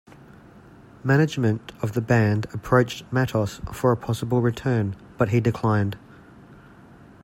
Management of the band approached Matos for a possible return, but he declined.